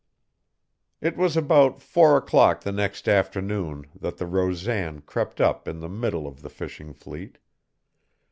It was about four o'clock the next afternoon that the Rosan crept up in the middle of the fishing fleet.